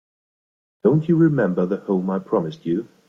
Don't you remember the home I promised you?